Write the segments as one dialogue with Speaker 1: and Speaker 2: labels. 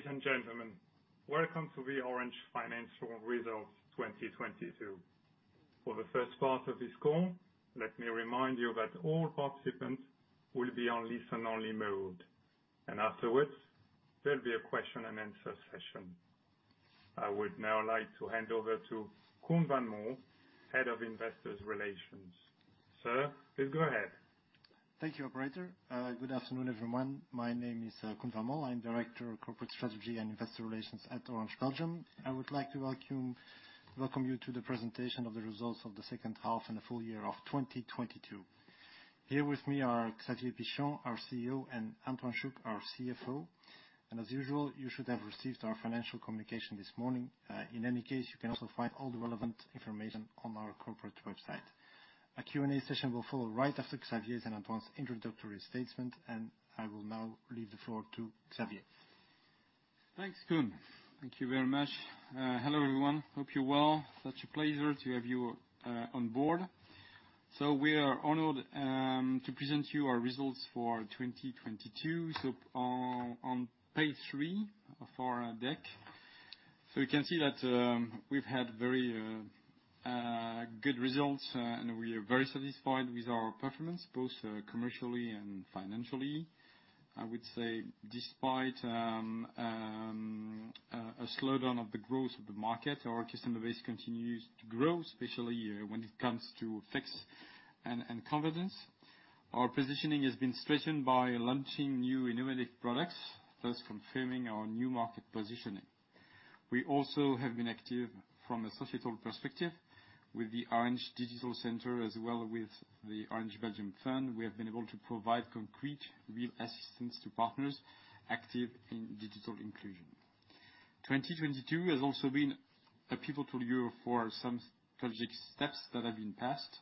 Speaker 1: Ladies and gentlemen, welcome to the Orange Financial Results 2022. For the first part of this call, let me remind you that all participants will be on listen only mode, and afterwards, there'll be a question and answer session. I would now like to hand over to Koen Van Mol, Head of Investors Relations. Sir, please go ahead.
Speaker 2: Thank you, operator. Good afternoon, everyone. My name is Koen Van Mol. I'm Director of Corporate Strategy and Investor Relations at Orange Belgium. I would like to welcome you to the presentation of the results of the second half and the full year of 2022. Here with me are Xavier Pichon, our CEO, and Antoine Chouc, our CFO. As usual, you should have received our financial communication this morning. In any case, you can also find all the relevant information on our corporate website. A Q&A session will follow right after Xavier's and Antoine's introductory statement. I will now leave the floor to Xavier.
Speaker 3: Thanks, Koen. Thank you very much. Hello, everyone. Hope you're well. Such a pleasure to have you on board. We are honored to present you our results for 2022. On page three of our deck. You can see that we've had very good results and we are very satisfied with our performance, both commercially and financially. I would say despite a slowdown of the growth of the market, our customer base continues to grow, especially when it comes to fixed and convergence. Our positioning has been strengthened by launching new innovative products, thus confirming our new market positioning. We also have been active from a societal perspective with the Orange Digital Center, as well with the Orange Belgium Fund. We have been able to provide concrete, real assistance to partners active in digital inclusion. 2022 has also been a pivotal year for some strategic steps that have been passed.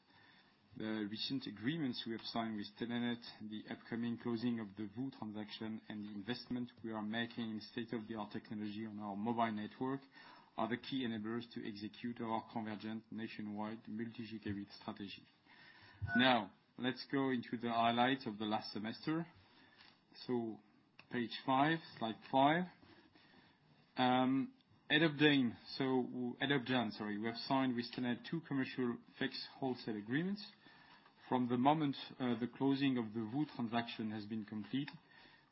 Speaker 3: The recent agreements we have signed with Telenet, the upcoming closing of the VOO transaction, and the investment we are making in state-of-the-art technology on our mobile network are the key enablers to execute our convergent nationwide multi-gigabit strategy. Let's go into the highlights of the last semester. Page five, slide five. End of June, sorry. We have signed with Telenet II commercial fixed wholesale agreements. From the moment the closing of the VOO transaction has been complete,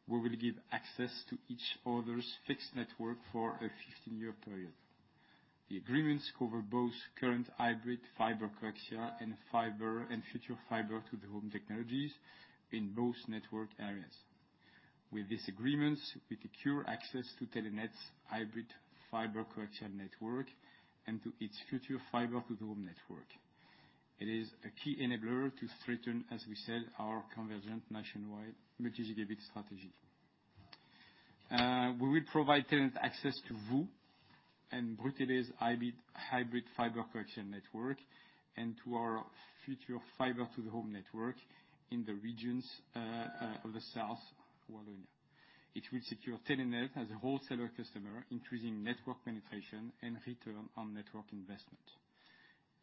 Speaker 3: we will give access to each other's fixed network for a 15-year period. The agreements cover both current Hybrid Fiber Coaxial and fiber, and future Fiber to the Home technologies in both network areas. With these agreements, we take care access to Telenet's Hybrid Fiber Coaxial network and to its future Fiber to the Home network. It is a key enabler to strengthen, as we said, our convergent nationwide multi-gigabit strategy. We will provide Telenet access to VOO and Brutélé's Hybrid Fiber Coaxial network and to our future Fiber to the Home network in the regions of the South Wallonia. It will secure Telenet as a wholesaler customer, increasing network penetration and return on network investment.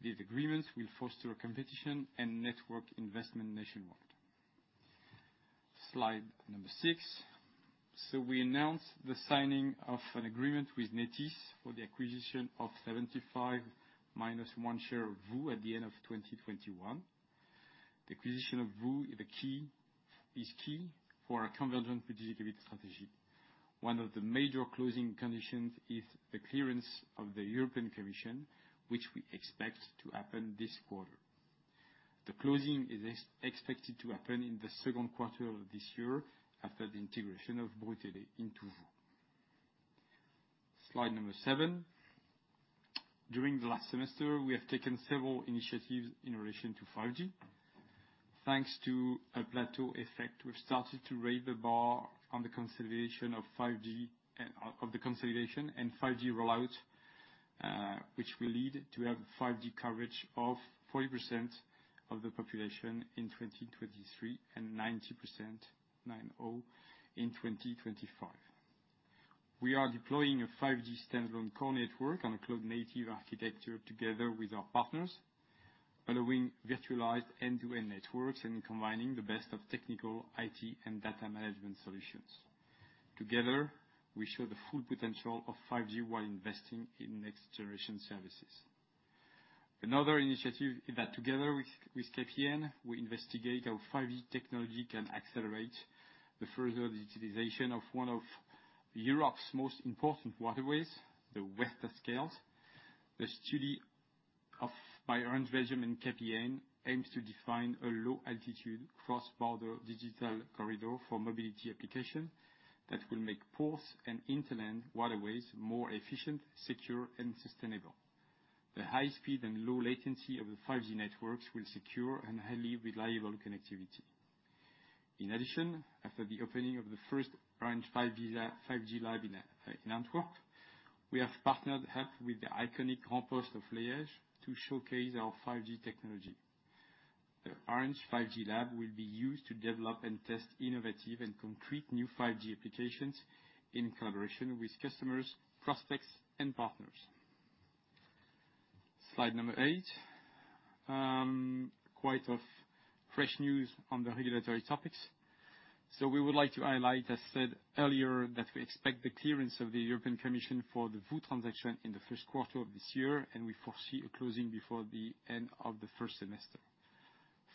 Speaker 3: These agreements will foster competition and network investment nationwide. Slide number six. We announced the signing of an agreement with Nethys for the acquisition of 75 minus one share of VOO at the end of 2021. The acquisition of VOO, the key, is key for our convergent multi-gigabit strategy. One of the major closing conditions is the clearance of the European Commission, which we expect to happen this quarter. The closing is expected to happen in the second quarter of this year after the integration of Brutélé into VOO. Slide number seven. During the last semester, we have taken several initiatives in relation to 5G. Thanks to a plateau effect, we've started to raise the bar on the consolidation of 5G of the consolidation and 5G rollout, which will lead to have 5G coverage of 40% of the population in 2023 and 90%, 90, in 2025. We are deploying a 5G Standalone core network on a cloud-native architecture together with our partners, allowing virtualized end-to-end networks and combining the best of technical IT and data management solutions. Together, we show the full potential of 5G while investing in next generation services. Another initiative is that together with KPN, we investigate how 5G technology can accelerate the further digitalization of one of Europe's most important waterways, the Western Scheldt. The study by Orange Belgium and KPN aims to define a low-altitude cross-border digital corridor for mobility application that will make ports and inland waterways more efficient, secure, and sustainable. The high speed and low latency of the 5G networks will secure and highly reliable connectivity. In addition, after the opening of the first Orange 5G Lab in Antwerp, we have partnered up with the iconic campus of Liège to showcase our 5G technology. The Orange 5G Lab will be used to develop and test innovative and concrete new 5G applications in collaboration with customers, prospects, and partners. Slide number eight. Quite of fresh news on the regulatory topics. We would like to highlight, as said earlier, that we expect the clearance of the European Commission for the VOO transaction in the first quarter of this year, and we foresee a closing before the end of the first semester.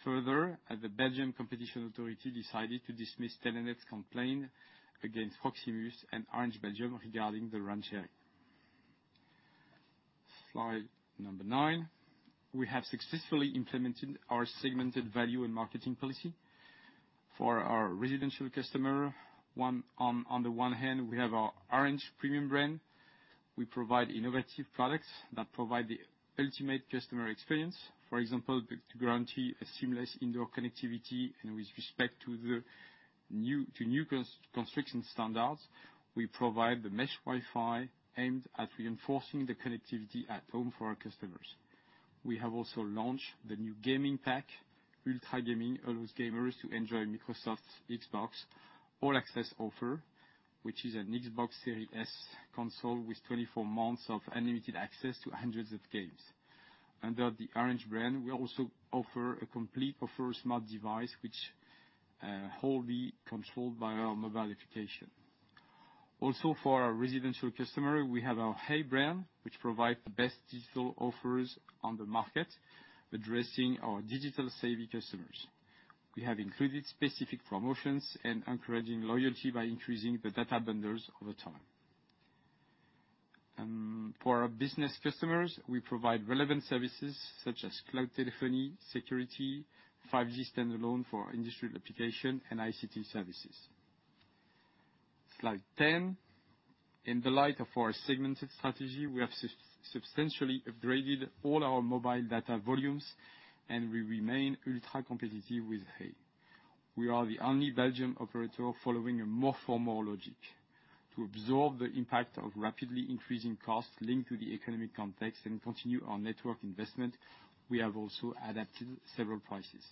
Speaker 3: The Belgian Competition Authority decided to dismiss Telenet's complaint against Proximus and Orange Belgium regarding the roaming sharing. Slide number nine. We have successfully implemented our segmented value and marketing policy. For our residential customer, on the one hand, we have our Orange premium brand. We provide innovative products that provide the ultimate customer experience. For example, the guarantee a seamless indoor connectivity and with respect to the new, to new construction standards, we provide the Mesh Wi-Fi aimed at reinforcing the connectivity at home for our customers. We have also launched the new gaming pack. Ultra Gaming allows gamers to enjoy Microsoft's Xbox All Access offer, which is an Xbox Series S console with 24 months of unlimited access to hundreds of games. Under the Orange brand, we also offer a complete offer smart device which wholly controlled by our mobile application. For our residential customer, we have our hey! brand, which provide the best digital offers on the market, addressing our digital-savvy customers. We have included specific promotions and encouraging loyalty by increasing the data bundles over time. For our business customers, we provide relevant services such as cloud telephony, security, 5G Standalone for industrial application, and ICT services. Slide 10. In the light of our segmented strategy, we have substantially upgraded all our mobile data volumes, and we remain ultra-competitive with hey!. We are the only Belgium operator following a more for more logic. To absorb the impact of rapidly increasing costs linked to the economic context and continue our network investment, we have also adapted several prices.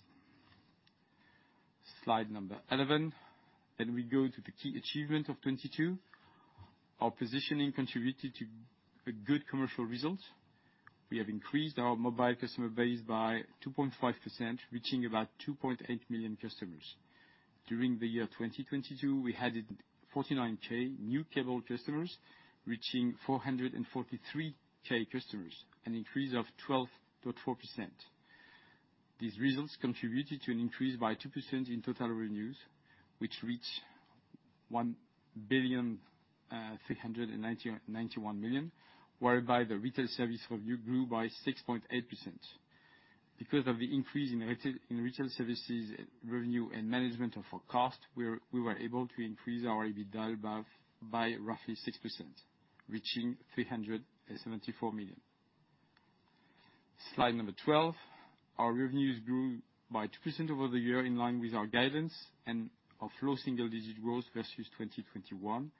Speaker 3: Slide number 11. We go to the key achievement of 2022. Our positioning contributed to a good commercial result. We have increased our mobile customer base by 2.5%, reaching about 2.8 million customers. During the year 2022, we added 49K new cable customers, reaching 443K customers, an increase of 12.4%. These results contributed to an increase by 2% in total revenues, which reached 1.391 billion, whereby the retail service revenue grew by 6.8%. Because of the increase in retail, in retail services revenue and management of our cost, we were able to increase our EBITDA above by roughly 6%, reaching 374 million. Slide number 12. Our revenues grew by 2% over the year in line with our guidance and our flow single-digit growth versus 2021.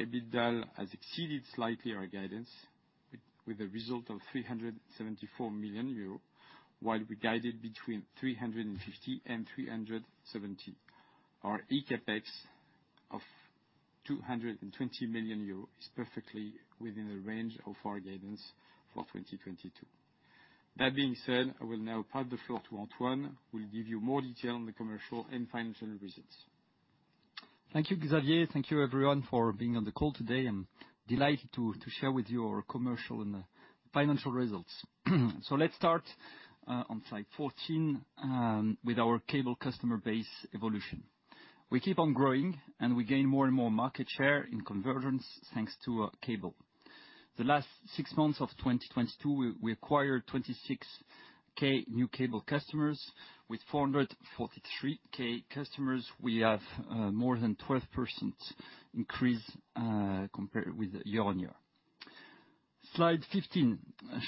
Speaker 3: EBITDA has exceeded slightly our guidance with a result of 374 million euros, while we guided between 350 million and 370 million. Our eCapEx of 220 million euros is perfectly within the range of our guidance for 2022. That being said, I will now pass the floor to Antoine, who will give you more detail on the commercial and financial results.
Speaker 4: Thank you, Xavier. Thank you everyone for being on the call today. I'm delighted to share with you our commercial and financial results. Let's start on slide 14 with our cable customer base evolution. We keep on growing, and we gain more and more market share in convergence, thanks to our cable. The last six months of 2022, we acquired 26K new cable customers. With 443K customers, we have more than 12% increase compared with year-on-year. Slide 15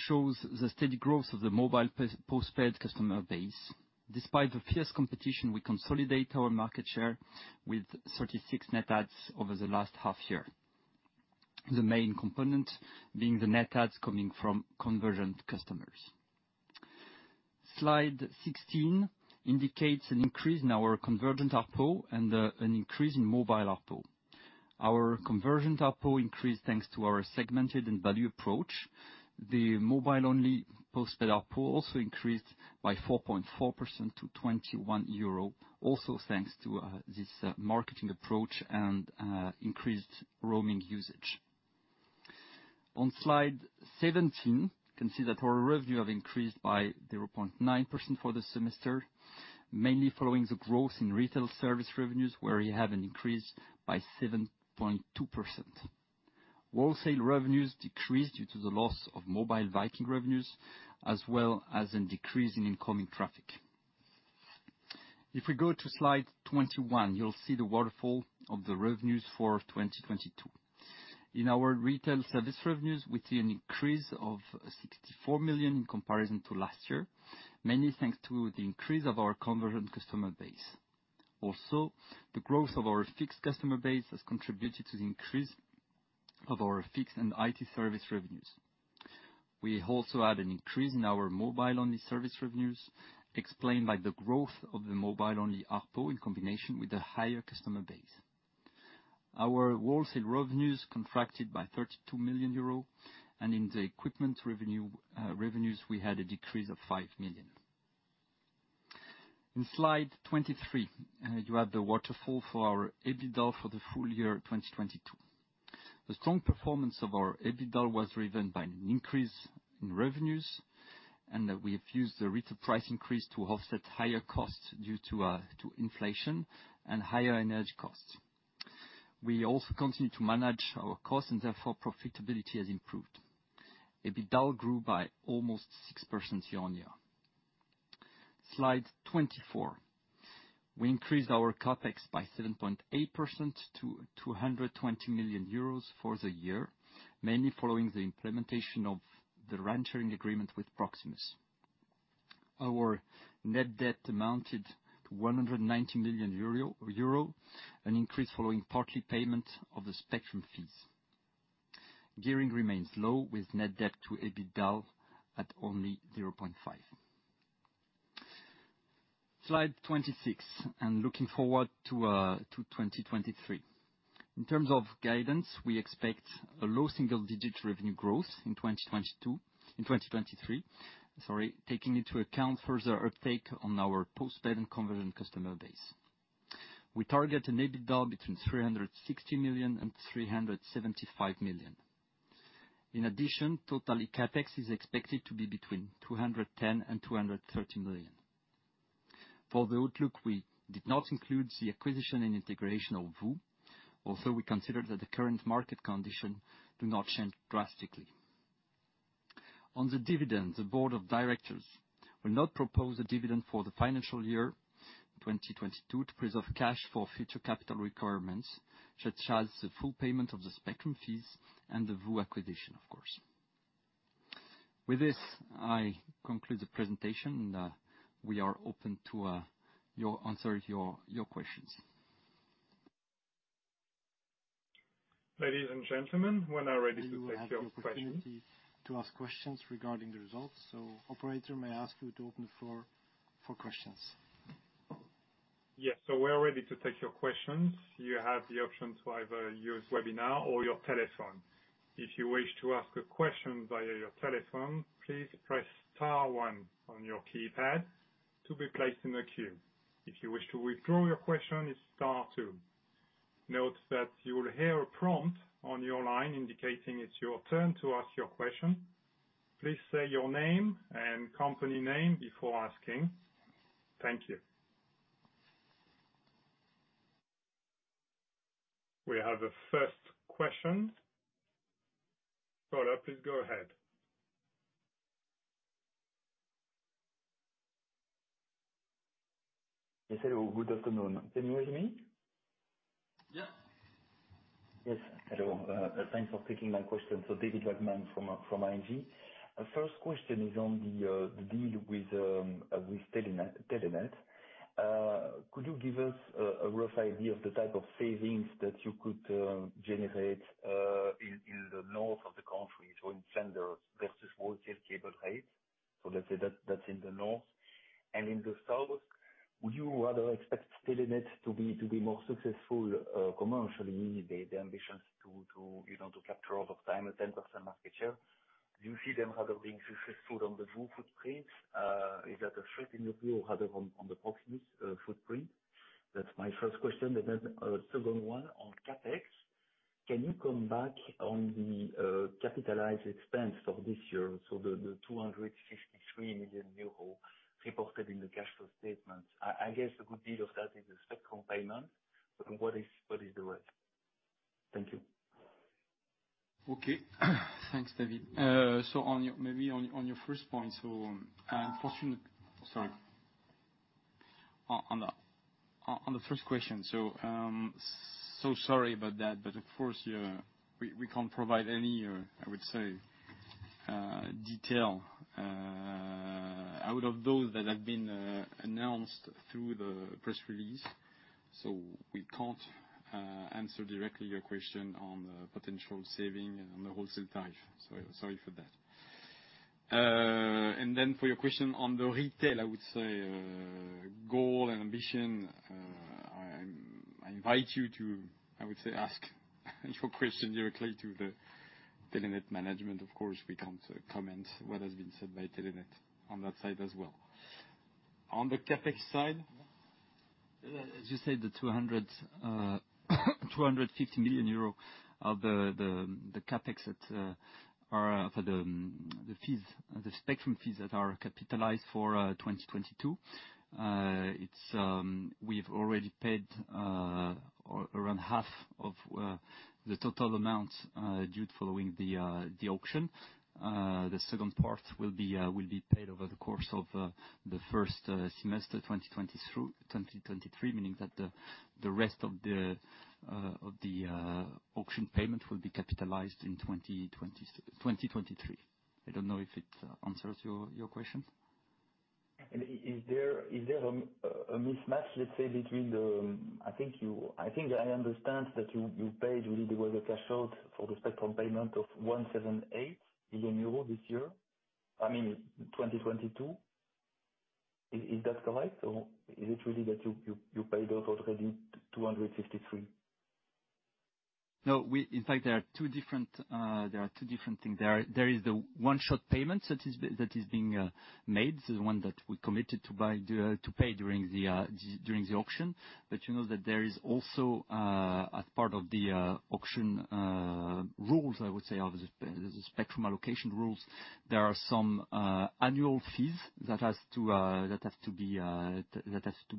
Speaker 4: shows the steady growth of the mobile postpaid customer base. Despite the fierce competition, we consolidate our market share with 36 net adds over the last half year. The main component being the net adds coming from convergent customers. Slide 16 indicates an increase in our convergent ARPU and an increase in mobile ARPU. Our convergent ARPU increased thanks to our segmented and value approach. The mobile-only postpaid ARPU also increased by 4.4% to 21 euro, also thanks to this marketing approach and increased roaming usage. On slide 17, you can see that our revenue have increased by 0.9% for the semester, mainly following the growth in retail service revenues, where we have an increase by 7.2%. Wholesale revenues decreased due to the loss of Mobile Vikings revenues, as well as a decrease in incoming traffic. If we go to slide 21, you'll see the waterfall of the revenues for 2022. In our retail service revenues, we see an increase of 64 million in comparison to last year, mainly thanks to the increase of our convergent customer base. The growth of our fixed customer base has contributed to the increase of our fixed and IT service revenues. We also had an increase in our mobile-only service revenues, explained by the growth of the mobile-only ARPU in combination with the higher customer base. Our wholesale revenues contracted by 32 million euros, and in the equipment revenue, revenues, we had a decrease of 5 million. In slide 23, you have the waterfall for our EBITDA for the full year 2022. The strong performance of our EBITDA was driven by an increase in revenues, and we have used the retail price increase to offset higher costs due to inflation and higher energy costs. We also continue to manage our costs and therefore profitability has improved. EBITDA grew by almost 6% year-on-year. Slide 24. We increased our CapEx by 7.8% to 220 million euros for the year, mainly following the implementation of the RAN sharing agreement with Proximus. Our net debt amounted to 190 million euro, an increase following partly payment of the spectrum fees. Gearing remains low, with net debt to EBITDA at only 0.5. Slide 26. Looking forward to 2023. In terms of guidance, we expect a low single-digit revenue growth in 2022, in 2023, sorry, taking into account further uptake on our postpaid and convergent customer base. We target an EBITDA between 360 million and 375 million. In addition, total CapEx is expected to be between 210 million and 230 million. For the outlook, we did not include the acquisition and integration of VOO, although we consider that the current market condition do not change drastically. On the dividend, the board of directors will not propose a dividend for the financial year 2022 to preserve cash for future capital requirements, such as the full payment of the spectrum fees and the VOO acquisition, of course. With this, I conclude the presentation, we are open to answer your questions.
Speaker 1: Ladies and gentlemen, we're now ready to take your questions.
Speaker 4: You have the opportunity to ask questions regarding the results. Operator, may I ask you to open the floor for questions?
Speaker 1: Yes. We are ready to take your questions. You have the option to either use webinar or your telephone. If you wish to ask a question via your telephone, please press star one on your keypad to be placed in the queue. If you wish to withdraw your question, it's star two. Note that you will hear a prompt on your line indicating it's your turn to ask your question. Please say your name and company name before asking. Thank you. We have the first question. Paula, please go ahead.
Speaker 5: Yes, hello. Good afternoon. Can you hear me?
Speaker 1: Yeah.
Speaker 5: Yes. Hello. Thanks for taking my question. David Vagman from ING. First question is on the deal with Telenet. Could you give us a rough idea of the type of savings that you could generate in the north of the country, so in Flanders versus wholesale cable, right? Let's say that's in the north. In the south, would you rather expect Telenet to be more successful commercially? The ambitions to, you know, to capture over time a 10% market share. Do you see them rather being successful on the VOO footprint? Is that a threat in the view rather on the Proximus footprint? That's my first question. A second one on CapEx. Can you come back on the capitalized expense for this year? The 263 million euro reported in the cash flow statement. I guess a good deal of that is the spectrum payment, but what is the rest? Thank you.
Speaker 3: Okay. Thanks, David. Maybe on your first point. Unfortunately... Sorry. On the first question, so sorry about that, but of course, yeah, we can't provide any, I would say, detail out of those that have been announced through the press release. We can't answer directly your question on the potential saving on the wholesale tariff. Sorry for that. For your question on the retail, I would say, goal and ambition, I invite you to, I would say, ask your question directly to the Telenet management. Of course, we can't comment what has been said by Telenet on that side as well. On the CapEx side. As you said, the 250 million euro of the CapEx that are for the fees, the spectrum fees that are capitalized for 2022. It's, we've already paid around half of the total amount due following the auction. The second part will be paid over the course of the first semester 2023, meaning that the rest of the auction payment will be capitalized in 2023. I don't know if it answers your questions.
Speaker 5: Is there a mismatch, let's say, between the... I think I understand that you paid really there was a cash out for the spectrum payment of 1.78 billion euros this year, I mean, 2022? Is that correct? Or is it really that you paid out already 253?
Speaker 3: No, in fact, there are two different, there are two different things there. There is the one-shot payment that is, that is being made. The one that we committed to buy, to pay during the auction. You know that there is also, as part of the auction rules, I would say, of the spectrum allocation rules. There are some annual fees that have to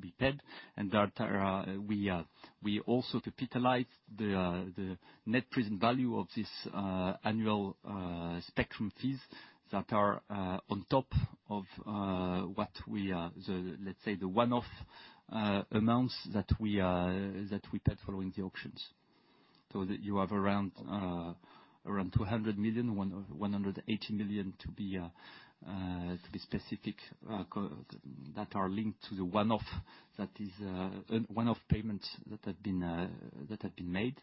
Speaker 3: be paid. That we also capitalize the net present value of this annual spectrum fees that are on top of what we are, the, let's say, the one-off amounts that we are, that we paid following the auctions. That you have around 200 million, 180 million to be specific, that are linked to the one-off that is one-off payments that have been made.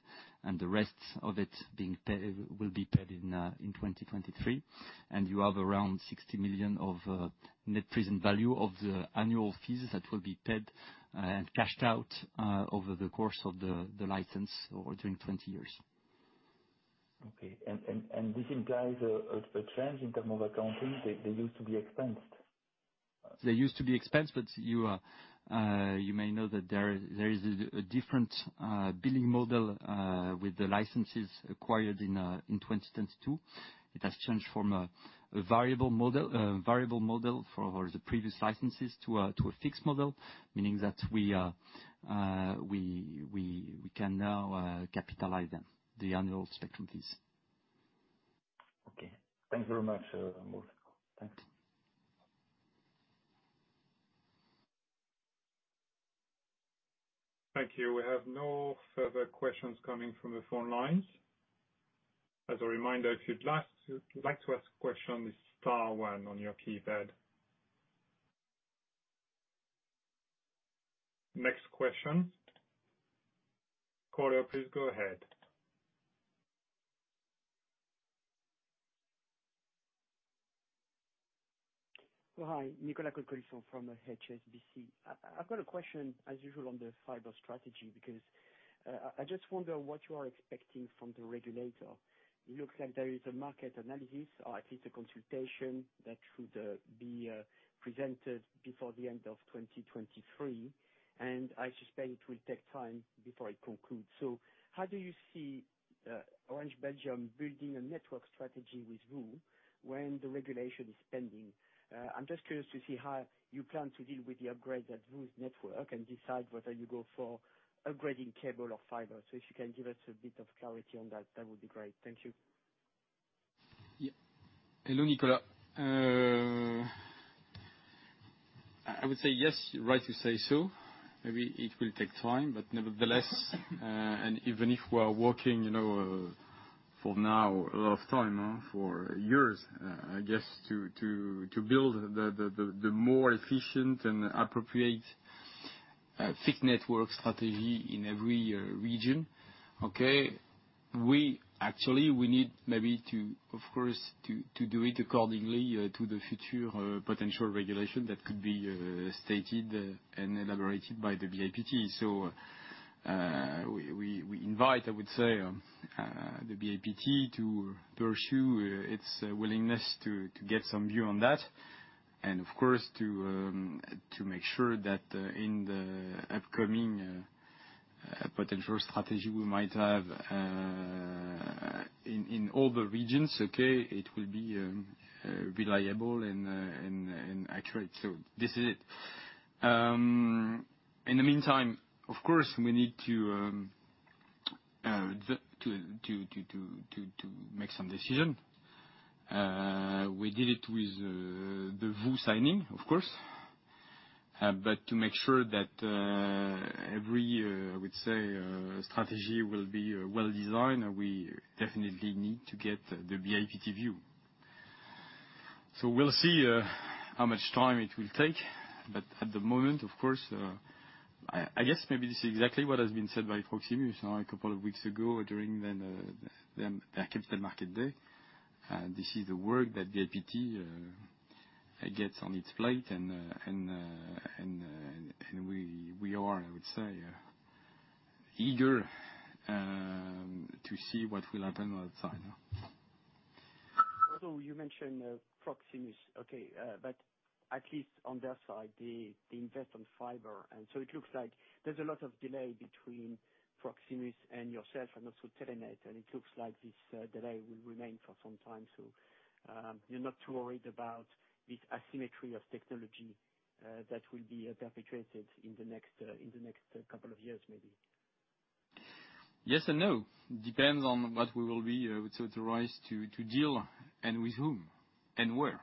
Speaker 3: The rest of it being paid will be paid in 2023. You have around 60 million of net present value of the annual fees that will be paid and cashed out over the course of the license over 20 years.
Speaker 5: Okay. This implies a change in term of accounting. They used to be expensed.
Speaker 3: They used to be expensed, you may know that there is a different billing model with the licenses acquired in 2022. It has changed from a variable model for the previous licenses to a fixed model. Meaning that we can now capitalize them, the annual spectrum fees.
Speaker 5: Okay. Thank you very much, Xavier.
Speaker 3: Thanks.
Speaker 1: Thank you. We have no further questions coming from the phone lines. As a reminder, if you'd like to ask a question, star one on your keypad. Next question. Caller, please go ahead.
Speaker 6: Hi. Nicolas Cote-Colisson from HSBC. I've got a question, as usual, on the fiber strategy, because I just wonder what you are expecting from the regulator. It looks like there is a market analysis or at least a consultation that should be presented before the end of 2023. I suspect it will take time before it concludes. How do you see Orange Belgium building a network strategy with VOO when the regulation is pending? I'm just curious to see how you plan to deal with the upgrade that VOO's network and decide whether you go for upgrading cable or fiber. If you can give us a bit of clarity on that would be great. Thank you.
Speaker 3: Yeah. Hello, Nicolas. I would say yes, you're right to say so. Maybe it will take time, nevertheless, and even if we are working, you know, for now, a lot of time, huh? For years, I guess to build the more efficient and appropriate thick network strategy in every region. Okay. We actually, we need maybe to, of course, to do it accordingly to the future potential regulation that could be stated and elaborated by the BIPT. We invite, I would say, the BIPT to pursue its willingness to get some view on that. Of course to make sure that in the upcoming potential strategy we might have in all the regions, okay, it will be reliable and accurate. This is it. In the meantime, of course, we need to make some decision. We did it with the VOO signing, of course. To make sure that every I would say strategy will be well-designed, we definitely need to get the BIPT view. We'll see how much time it will take. At the moment, of course, I guess maybe this is exactly what has been said by Proximus a couple of weeks ago during then their capital market day. This is the work that BIPT gets on its plate. We are, I would say, eager to see what will happen outside.
Speaker 6: You mentioned Proximus, okay, but at least on their side, they invest on fiber. It looks like there's a lot of delay between Proximus and yourself and also Telenet, and it looks like this delay will remain for some time. You're not too worried about this asymmetry of technology that will be perpetrated in the next couple of years maybe?
Speaker 3: Yes and no. Depends on what we will be authorized to deal and with whom and where.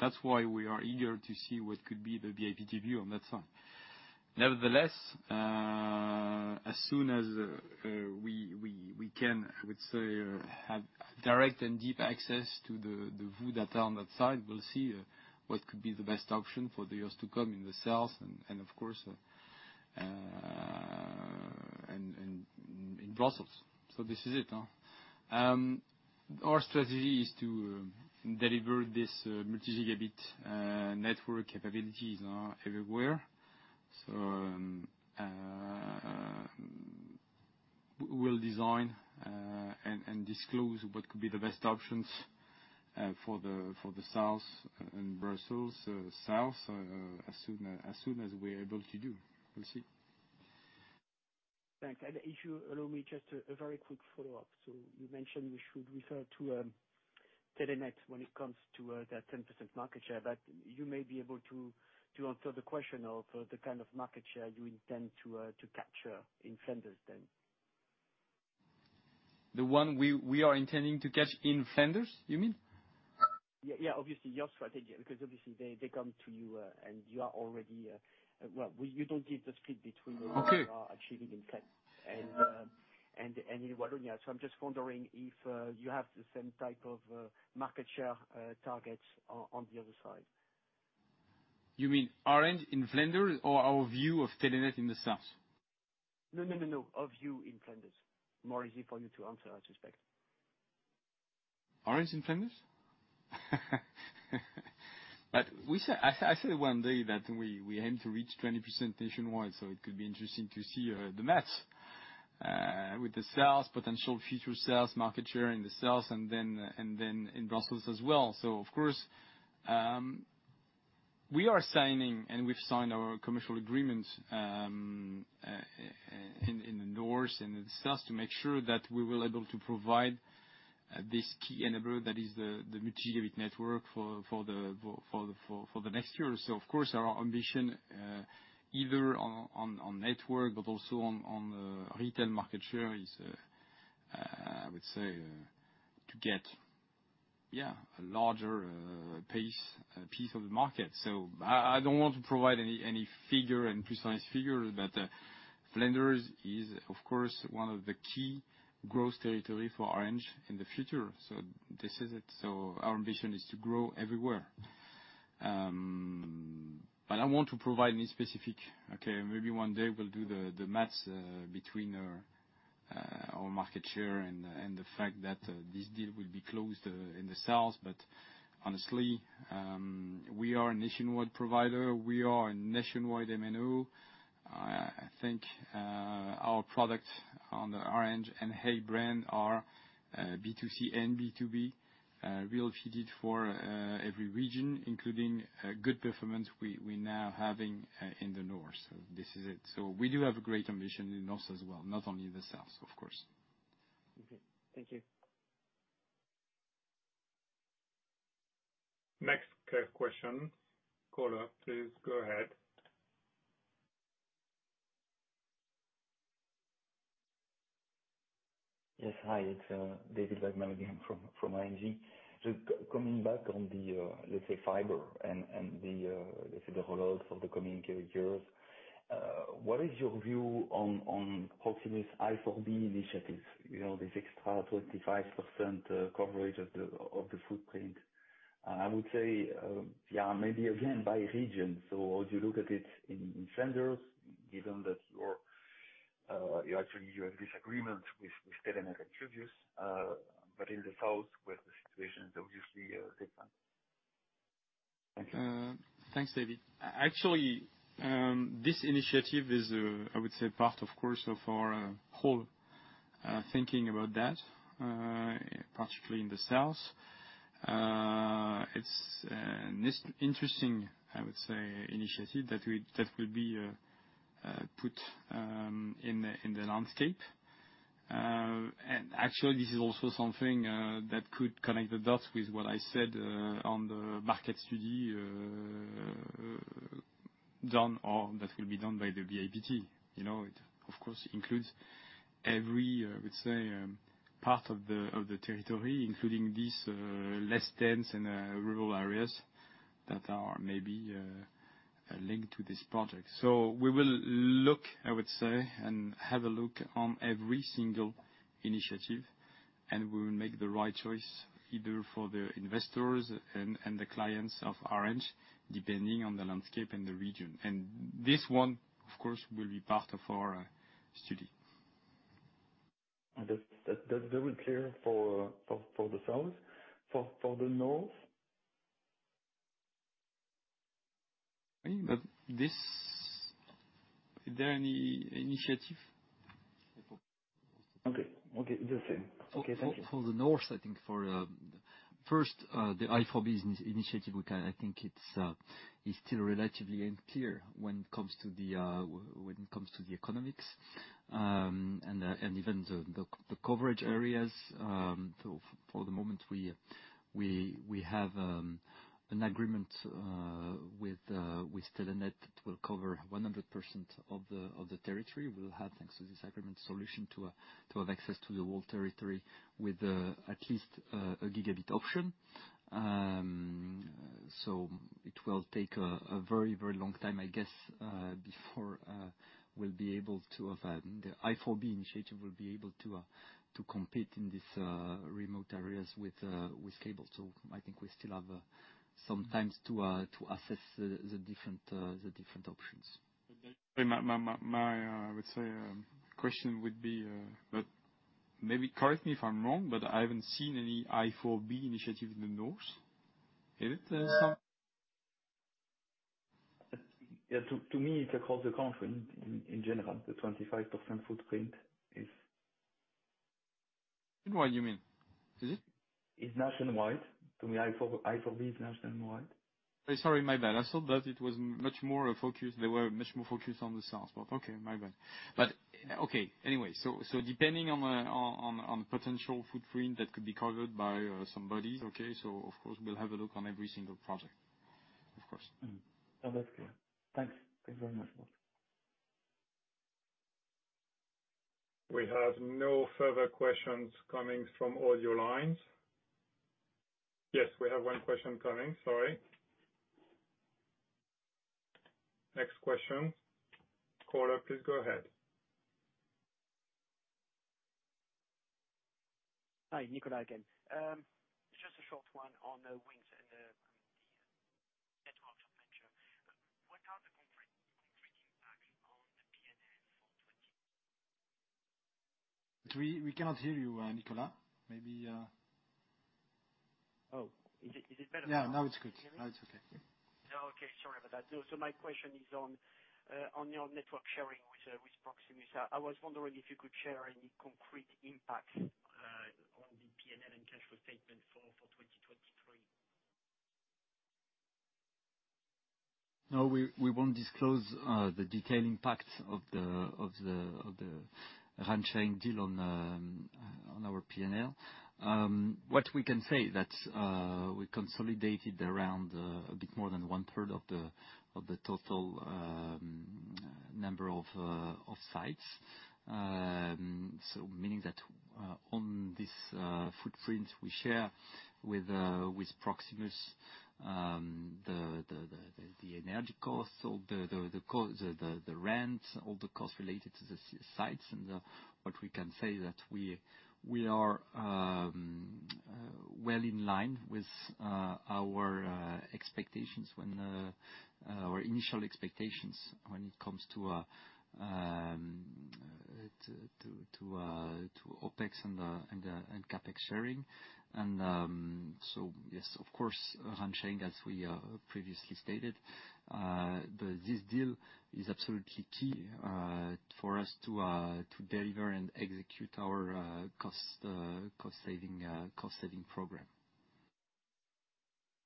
Speaker 3: That's why we are eager to see what could be the BIPT view on that side. Nevertheless, as soon as we can, I would say, have direct and deep access to the VOO data on that side, we'll see what could be the best option for the years to come in the South and of course, in Brussels. This is it. Our strategy is to deliver this multi-gigabit network capabilities everywhere. We'll design and disclose what could be the best options for the South and Brussels, South, as soon as we're able to do. We'll see.
Speaker 6: Thanks. If you allow me just a very quick follow-up. You mentioned we should refer to Telenet when it comes to their 10% market share. You may be able to answer the question of the kind of market share you intend to capture in Flanders then.
Speaker 3: The one we are intending to catch in Flanders, you mean?
Speaker 6: Yeah, yeah, obviously your strategy. Because obviously they come to you, and you are already... you don't give the split between the...
Speaker 3: Okay.
Speaker 6: You are achieving in Flanders and in Wallonia. I'm just wondering if you have the same type of market share targets on the other side?
Speaker 3: You mean Orange in Flanders or our view of Telenet in the south?
Speaker 6: No, no, no. Of you in Flanders. More easy for you to answer, I suspect.
Speaker 3: Orange in Flanders? I said one day that we aim to reach 20% nationwide, so it could be interesting to see the maths with the South, potential future South market share in the South and then in Brussels as well. Of course, we are signing, and we've signed our commercial agreement in the North and in the South to make sure that we will able to provide this key enabler that is the multi-gigabit network for the next year. Of course our ambition, either on network but also on the retail market share is, I would say, to get, yeah, a larger pace, piece of the market. I don't want to provide any figure and precise figure, but Flanders is of course one of the key growth territory for Orange in the future. This is it. Our ambition is to grow everywhere. I don't want to provide any specific. Okay, maybe one day we'll do the maths between our market share and the fact that this deal will be closed in the south. Honestly, we are a nationwide provider. We are a nationwide MNO. I think our products on the Orange and hey! brand are B2C and B2B well fitted for every region, including a good performance we're now having in the north. This is it. We do have a great ambition in north as well, not only the south of course.
Speaker 6: Okay. Thank you.
Speaker 1: Next, question. Caller, please go ahead.
Speaker 5: Yes. Hi. It's David Vagman again from ING. So, coming back on the, let's say, fiber and the rollout of the coming [infrastructure]. What is your view on Proximus's I4B initiative? You know, they take about 25% of coverage of the footprint. I would say, yeah, maybe again, by region. So would you look at it in Flanders given that you're actually in disagreement with Telenet [at previous], but in the south [with inflation] obviously at the same time?
Speaker 3: Thanks, David. Actually, this initiative is, I would say, part of course of our whole thinking about that, particularly in the south. It's an interesting, I would say, initiative that will be put in the landscape. Actually this is also something that could connect the dots with what I said on the market study done or that will be done by the BIPT. You know, it of course includes every, I would say, part of the territory, including these less dense and rural areas that are maybe linked to this project. We will look, I would say, and have a look on every single initiative, and we will make the right choice either for the investors and the clients of Orange, depending on the landscape and the region. This one, of course, will be part of our study.
Speaker 5: That's very clear for the south. For the north?
Speaker 3: Is there any initiative?
Speaker 5: Okay. Okay. The same. Okay. Thank you.
Speaker 3: For the north, I think for first, the I4B initiative. I think it's still relatively unclear when it comes to the economics. Even the coverage areas. For the moment we have an agreement with Telenet that will cover 100% of the territory. We'll have, thanks to this agreement, solution to have access to the whole territory with at least a gigabit option. It will take a very, very long time I guess, before we'll be able to have the I4B initiative will be able to compete in these remote areas with cable. I think we still have sometimes to assess the different options. My, I would say, question would be, maybe correct me if I'm wrong, I haven't seen any I4B initiative in the north. Is it?
Speaker 5: Yeah. To me, it's across the country in general, the 25% footprint.
Speaker 3: What do you mean?
Speaker 5: Is it nationwide? To me, I4B is nationwide.
Speaker 3: Sorry, my bad. I thought that it was much more focused, they were much more focused on the south. Okay. My bad. Okay, anyway, depending on the potential footprint that could be covered by somebodies, of course we'll have a look on every single project. Of course.
Speaker 5: Mm-hmm. No, that's clear. Thanks. Thank you very much.
Speaker 1: We have no further questions coming from audio lines. Yes, we have one question coming. Sorry. Next question. Caller, please go ahead.
Speaker 6: Hi, Nicolas again. Just a short one on the wings and the network adventure. What are the concrete impact on the PNL for 2023?
Speaker 3: We cannot hear you, Nicolas. Maybe...
Speaker 6: Oh, is it, is it better now?
Speaker 3: Yeah, now it's good.
Speaker 6: Can you hear me?
Speaker 3: Now it's okay.
Speaker 6: Oh, okay. Sorry about that. My question is on your network sharing with Proximus. I was wondering if you could share any concrete impact on the PNL and cash flow statement for 2023.
Speaker 3: No, we won't disclose the detailed impact of the RAN sharing deal on our PNL. What we can say that we consolidated around a bit more than one-third of the total number of sites. meaning that on this footprint we share with Proximus, the energy costs, all the rent, all the costs related to the sites. What we can say that we are well in line with our expectations when our initial expectations when it comes to OpEx and CapEx sharing. Yes, of course, RAN sharing, as we previously stated, but this deal is absolutely key for us to deliver and execute our cost saving program.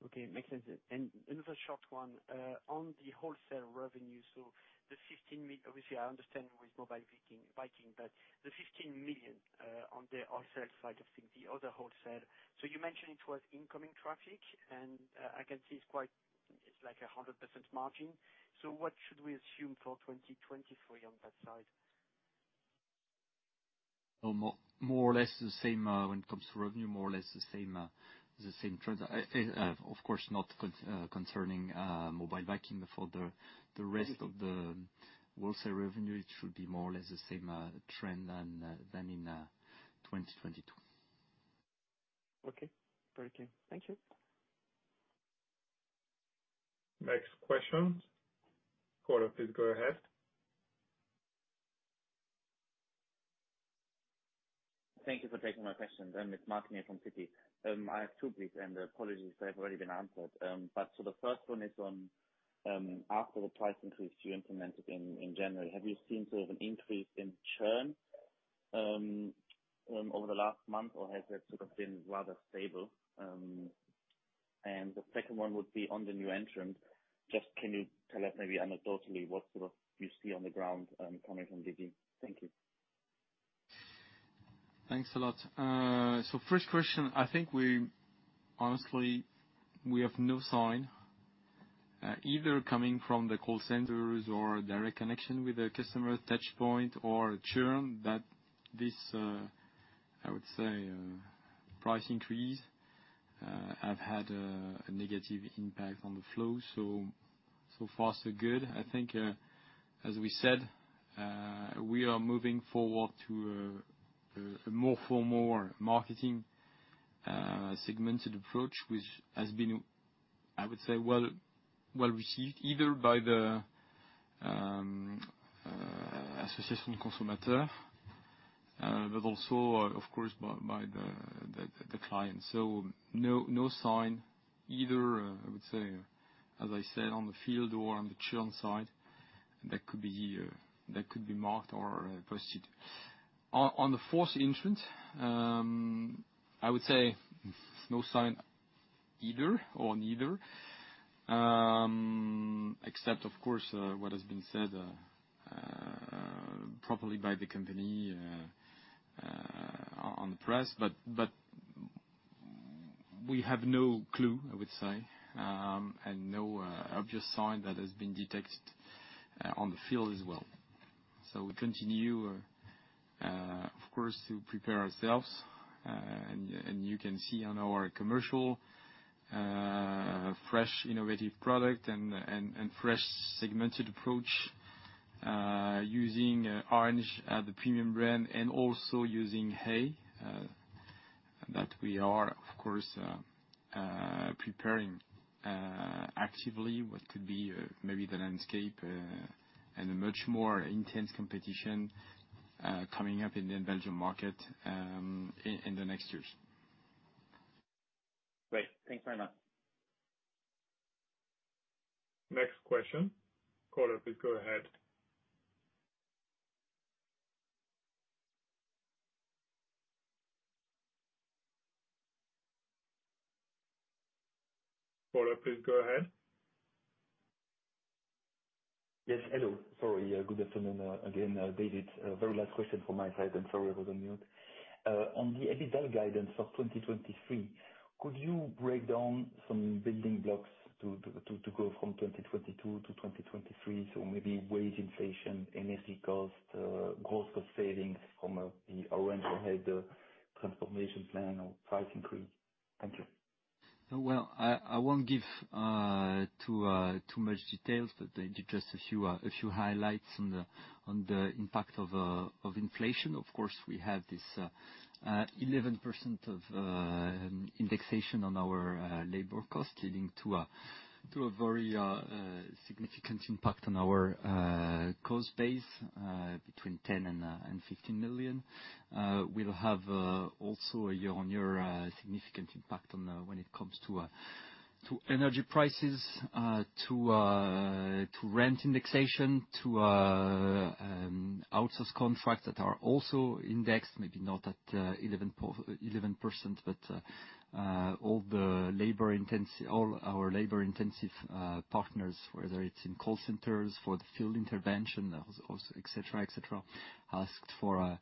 Speaker 6: Okay. Makes sense. Another short one on the wholesale revenue. Obviously, I understand with Mobile Vikings, Viking, but the 15 million on the wholesale side of things, the other wholesale, you mentioned it was incoming traffic, and I can see it's like a 100% margin. What should we assume for 2020 for you on that side?
Speaker 3: More or less the same, when it comes to revenue, more or less the same, the same trend. Of course not concerning Mobile Vikings. For the rest of the wholesale revenue, it should be more or less the same trend than in 2022.
Speaker 6: Okay. Very clear. Thank you.
Speaker 1: Next question. Caller, please go ahead.
Speaker 7: Thank you for taking my questions. It's Martin here from Citi. I have two please, and apologies if they have already been answered. The first one is on, after the price increase you implemented in January, have you seen sort of an increase in churn over the last month, or has it sort of been rather stable? The second one would be on the new entrant. Just can you tell us maybe anecdotally what sort of you see on the ground coming from DIGI? Thank you.
Speaker 3: Thanks a lot. First question, I think Honestly, we have no sign either coming from the call centers or direct connection with the customer touch point or churn that this, I would say, price increase have had a negative impact on the flow. So far so good. I think, as we said, we are moving forward to a more for more marketing segmented approach, which has been, I would say, well received either by the Association Consommateur, but also, of course, by the client. No sign either, I would say, as I said, on the field or on the churn side that could be marked or posted. On the fourth entrant, I would say no sign either or neither. Except of course what has been said, probably by the company, on the press, but we have no clue, I would say, and no obvious sign that has been detected on the field as well. We continue of course to prepare ourselves, and you can see on our commercial, fresh innovative product and fresh segmented approach. Using Orange, the premium brand, and also using hey!, that we are, of course, preparing actively what could be maybe the landscape, and a much more intense competition coming up in the Belgian market in the next years.
Speaker 7: Great. Thanks very much.
Speaker 1: Next question. Caller, please go ahead. Caller, please go ahead.
Speaker 5: Yes, hello. Sorry. Good afternoon, again. David. Very last question from my side, and sorry I was on mute. On the EBITDA guidance for 2023, could you break down some building blocks to go from 2022 to 2023? Maybe wage inflation, energy cost, gross cost savings from the Orange Ahead transformation plan or price increase. Thank you.
Speaker 4: Well, I won't give too much details, but just a few highlights on the impact of inflation. Of course, we have this 11% of indexation on our labor cost leading to a very significant impact on our cost base, between 10 million and 15 million. We'll have also a year-over-year significant impact on when it comes to energy prices, to rent indexation, to outsource contracts that are also indexed, maybe not at 11%. 11%. All our labor-intensive partners, whether it's in call centers for the field intervention, also, et cetera, et cetera, asked for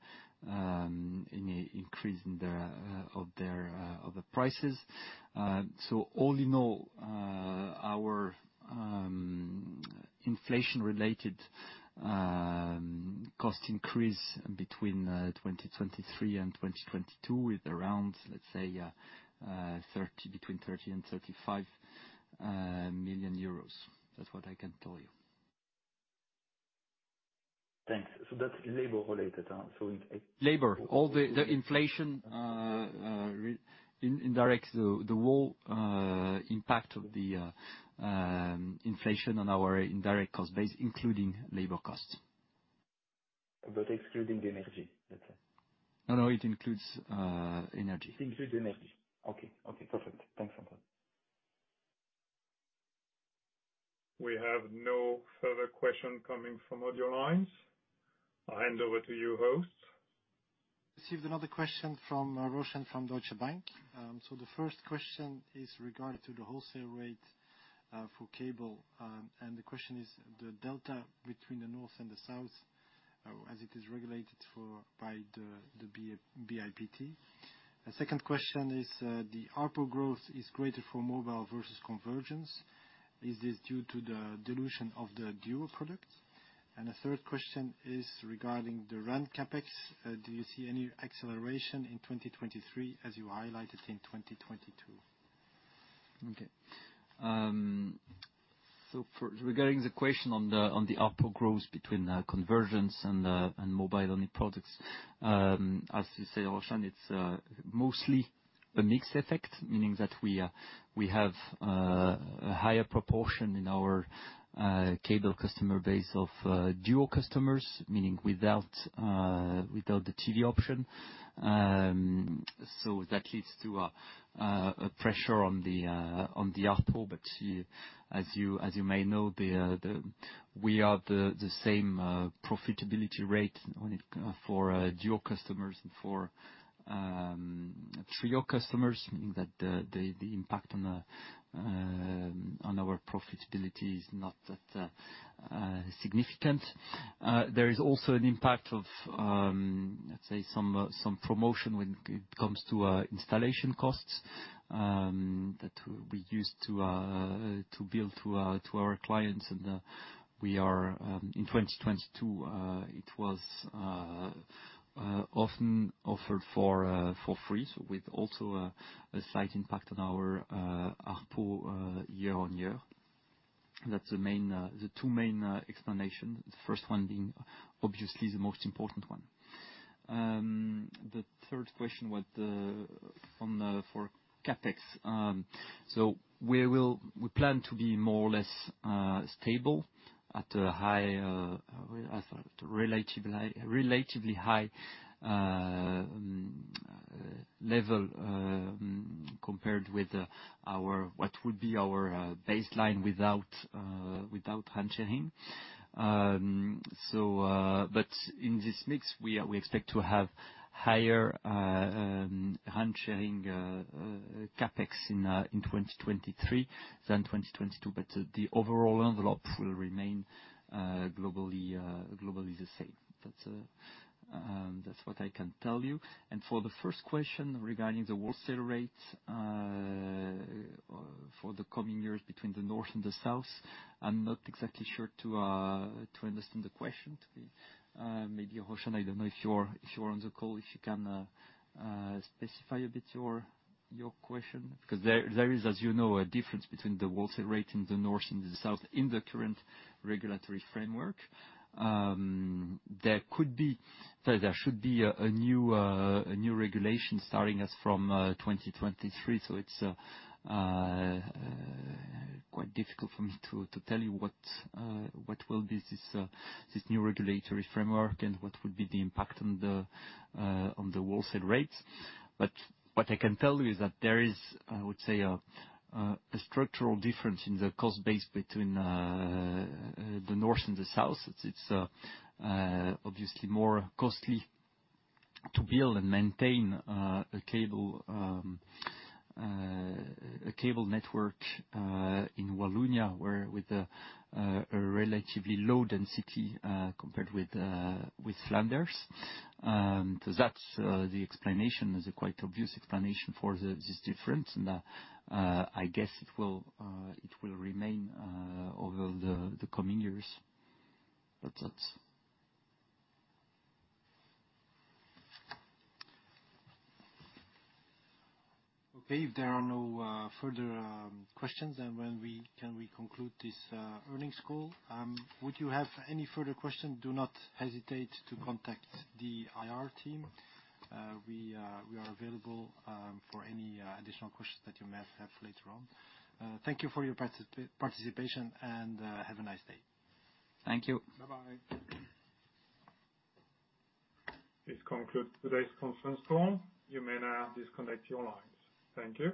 Speaker 4: an increase in their prices. All in all, our inflation-related cost increase between 2023 and 2022 with around, let's say, between 30 million and 35 million euros. That's what I can tell you.
Speaker 5: Thanks. That's labor related?
Speaker 4: Labor. All the inflation, indirect, the whole impact of the inflation on our indirect cost base, including labor costs.
Speaker 5: Excluding the energy, let's say.
Speaker 4: No, no, it includes energy.
Speaker 5: It includes energy. Okay. Okay, perfect. Thanks for that.
Speaker 1: We have no further question coming from audio lines. I'll hand over to you hosts.
Speaker 2: Received another question from Roshan from Deutsche Bank. The first question is regarding to the wholesale rate for cable. The question is the delta between the north and the south, as it is regulated for, by the BIPT. The second question is, the ARPU growth is greater for mobile versus convergence. Is this due to the dilution of the duo product? The third question is regarding the RAN CapEx. Do you see any acceleration in 2023 as you highlighted in 2022?
Speaker 4: Regarding the question on the ARPU growth between the convergence and mobile-only products, as you say, Roshan, it's mostly a mixed effect, meaning that we have a higher proportion in our cable customer base of duo customers, meaning without the TV option. That leads to a pressure on the ARPU. But as you may know, we are the same profitability rate for duo customers and for trio customers, meaning that the impact on our profitability is not that significant. There is also an impact of, let's say some promotion when it comes to installation costs that we used to bill to our clients. We are in 2022, it was often offered for free. With also a slight impact on our ARPU year-over-year. That's the two main explanation. The first one being obviously the most important one. The third question for CapEx. We plan to be more or less stable at a high, relatively high level compared with our, what would be our baseline without RAN sharing. In this mix we expect to have higher RAN sharing CapEx in 2023 than in 2022. The overall envelope will remain globally the same. That's what I can tell you. For the first question regarding the wholesale rate for the coming years between the north and the south, I'm not exactly sure to understand the question. To be, maybe, Roshan, I don't know if you're on the call, if you can specify a bit your question. There is, as you know, a difference between the wholesale rate in the north and the south in the current regulatory framework. There could be, sorry, there should be a new regulation starting as from 2023. It's quite difficult for me to tell you what will be this new regulatory framework and what would be the impact on the wholesale rates. What I can tell you is that there is, I would say, a structural difference in the cost base between the north and the south. It's obviously more costly to build and maintain a cable network in Wallonia, where with a relatively low density compared with Flanders. That's the explanation. It's a quite obvious explanation for this difference. I guess it will remain over the coming years. That's it.
Speaker 2: Okay. If there are no further questions, can we conclude this earnings call. Would you have any further question, do not hesitate to contact the IR team. We are available for any additional questions that you may have later on. Thank you for your participation, and have a nice day.
Speaker 3: Thank you.
Speaker 4: Bye-bye.
Speaker 1: This concludes today's conference call. You may now disconnect your lines. Thank you.